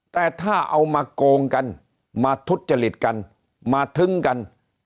แต่ถ้าเอามาโกงกันมาทุจจริตกันมาทึ้งกัน